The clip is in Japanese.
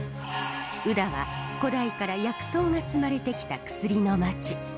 宇陀は古代から薬草が摘まれてきた薬の町。